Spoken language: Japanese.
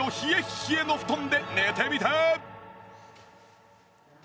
冷えの布団で寝てみて！